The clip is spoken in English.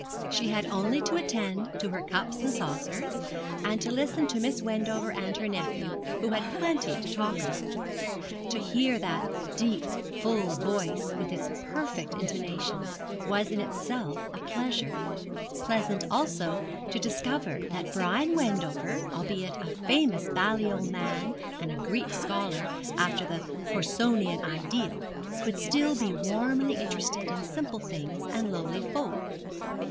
She had only to attend to her cups and saucers, and to listen to Miss Wendover and her nephew, who had plenty to talk about. To hear that deep full voice, with its perfect intonation, was in itself a pleasure pleasant, also, to discover that Brian Wendover, albeit a famous Balliol man and a Greek scholar after the Porsonian ideal, could still be warmly interested in simple things and lowly folk.